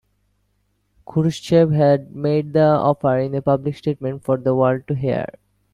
Khrushchev had made the offer in a public statement for the world to hear.